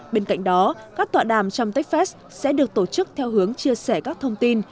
bên cạnh đó các tọa đàm trong techfest sẽ được tổ chức theo hướng chia sẻ các thông tin